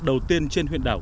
đầu tiên trên huyện đảo